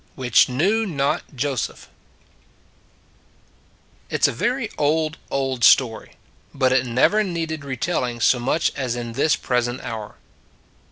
WHICH KNEW NOT JOSEPH " IT S a very old, old story; but it never needed retelling so much as in this present hour.